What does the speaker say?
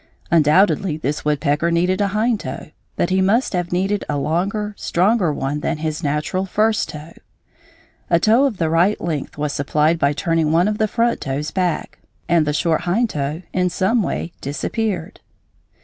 Undoubtedly this woodpecker needed a hind toe, but he must have needed a longer, stronger one than his natural first toe. A toe of the right length was supplied by turning one of the front toes back, and the short hind toe in some way disappeared.